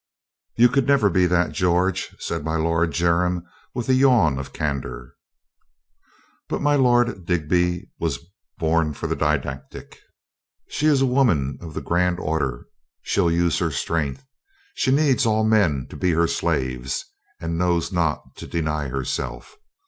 "You could never be that, George," said my Lord Jermyn with a yawn of candor. But my Lord Digby was born for the didactic. "She is a woman of the grand order. She'll use her strength. She needs all men to be her slaves, and knows not to deny herself.